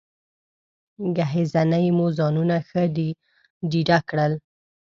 ګهیځنۍ مو ځانونه ښه ډېډه کړل.